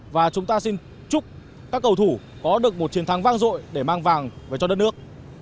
và chúng ta xin chúc các cầu thủ có được một chiến thắng vang dội để mang vàng về cho đất nước